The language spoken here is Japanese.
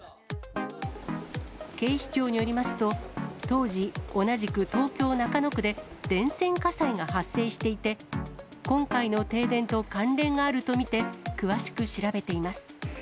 警視庁によりますと、当時、同じく東京・中野区で電線火災が発生していて、今回の停電と関連があると見て、詳しく調べています。